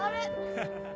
ハハハ。